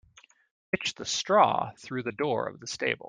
Pitch the straw through the door of the stable.